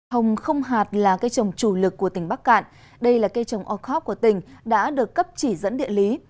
hồng không hạt là cây trồng chủ lực của tỉnh bắc cạn đây là cây trồng orcop của tỉnh đã được cấp chỉ dẫn địa lý